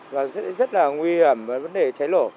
rất là nguy hiểm với vấn đề cháy lổ